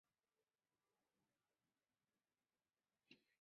丽翅小瓢叶蚤为金花虫科小瓢叶蚤属下的一个种。